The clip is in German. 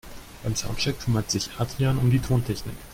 Beim Soundcheck kümmert sich Adrian um die Tontechnik.